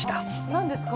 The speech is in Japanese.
何ですか？